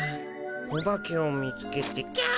お化けを見つけてキャ！